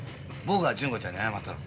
僕が純子ちゃんに謝ったる。